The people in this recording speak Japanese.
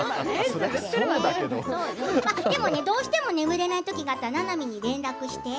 でもね、どうしても眠れないときがあったらななみに連絡して。